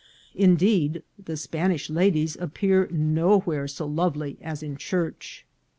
Indeed, the Spanish la dies appear nowhere so lovely as in church.